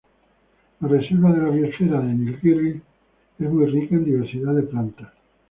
La reserva de la biosfera de Nilgiri es muy rica en diversidad de plantas.